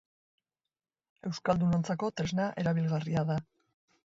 Euskaldunontzat tresna erabilgarria da.